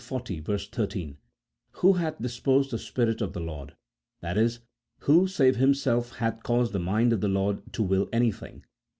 13: "Who hath disposed the Spirit of the Lord ?" i.e. who, save Him self, hath caused the mind of the Lord to will anything